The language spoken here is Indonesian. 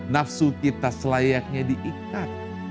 nafsu kita selayaknya diikat